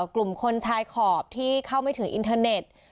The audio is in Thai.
กลุ่มคนชายขอบที่เข้าไม่ถึงอินเทอร์เน็ต